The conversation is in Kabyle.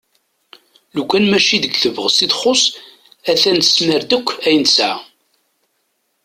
Lukan mačči deg tebɣest i txu a-t-an tesmar-as-d akk ayen tesɛa.